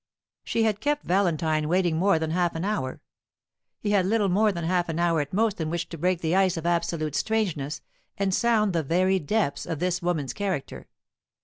She had kept Valentine waiting more than half an hour. He had little more than half an hour at most in which to break the ice of absolute strangeness, and sound the very depths of this woman's character.